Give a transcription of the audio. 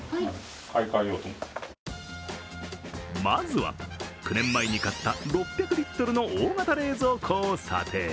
まずは９年前に買った６００リットルの大型冷蔵庫を査定。